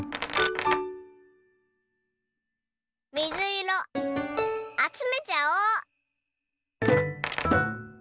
みずいろあつめちゃおう！